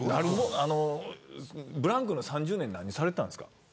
ブランクの３０年何されていたんですか。